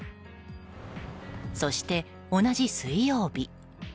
そして、同じ水曜日。